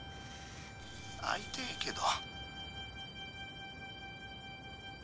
会いてえけど。